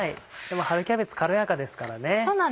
春キャベツ軽やかですからね。